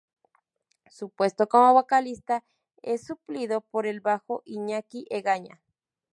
Su puesto como vocalista es suplido por el bajo Iñaki Egaña.